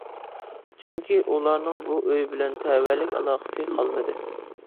چۈنكى ئۇلارنىڭ بۇ ئۆي بىلەن تەۋەلىك ئالاقىسى قالمىدى.